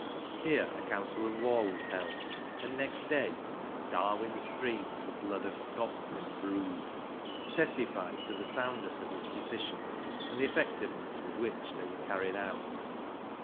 Here a council of war was held, and next day Darwen's stream with blood of Scots imbrued, testified to the soundness of its decisions and the effectiveness with which they were carried out.